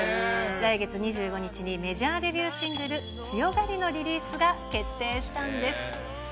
来月２５日にメジャーデビューシングル、つよがりのリリースが決定したんです。